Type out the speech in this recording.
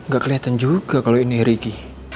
gak kelihatan juga kalau ini ricky